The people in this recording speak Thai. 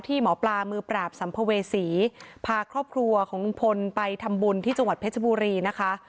หมอปลามือปราบสัมภเวษีพาครอบครัวของลุงพลไปทำบุญที่จังหวัดเพชรบุรีนะคะ